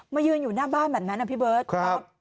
มายืนอยู่หน้าบ้านเหมือนนั้นนะพี่เบิร์ตพี่เบิร์ตครับ